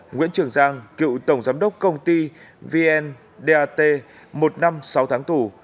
nguyễn trường giang cựu tổng giám đốc công ty vndat một năm sáu tháng tù